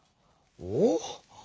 お？